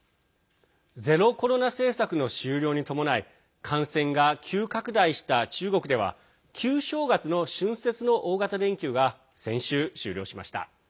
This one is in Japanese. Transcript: ゼロコロナ政策の終了に伴い感染が急拡大した中国では旧正月の春節の大型連休が先週、終了しました。